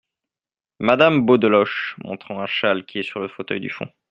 Madame Beaudeloche , montrant un châle qui est sur le fauteuil du fond.